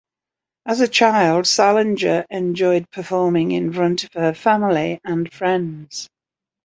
As a child, Salenger enjoyed performing in front of her family and friends.